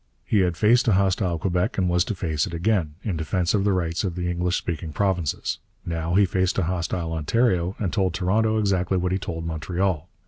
He had faced a hostile Quebec, and was to face it again, in defence of the rights of the English speaking provinces. Now he faced a hostile Ontario, and told Toronto exactly what he told Montreal.